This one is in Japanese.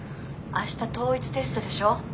明日統一テストでしょ？